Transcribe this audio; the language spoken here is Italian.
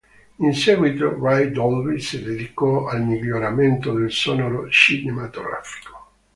In seguito Ray Dolby si dedicò al miglioramento del sonoro cinematografico.